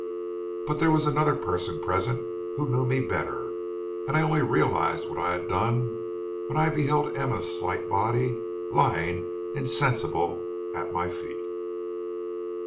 "But there was another person present who knew me better, and I only realized what I had done when I beheld Emma's slight body lying insensible at my feet."